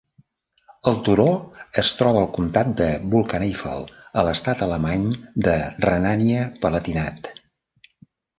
El turó es troba al comtat de Vulkaneifel a l'estat alemany de Renània-Palatinat.